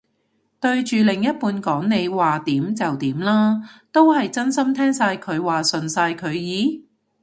對住另一半講你話點就點啦，都係真心聽晒佢話順晒佢意？